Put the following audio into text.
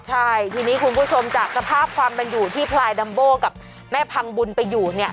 ใช่ทีนี้คุณผู้ชมจากสภาพความเป็นอยู่ที่พลายดัมโบกับแม่พังบุญไปอยู่เนี่ย